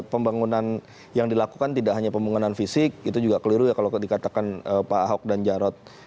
pembangunan yang dilakukan tidak hanya pembangunan fisik itu juga keliru ya kalau dikatakan pak ahok dan jarot